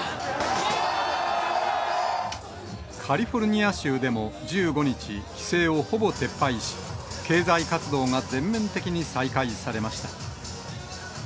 カリフォルニア州でも１５日、規制をほぼ撤廃し、経済活動が全面的に再開されました。